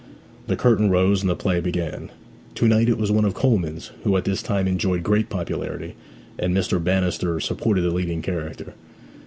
The curtain rose and the play began. To night it was one of Colman's, who at this time enjoyed great popularity, and Mr. Bannister supported the leading character.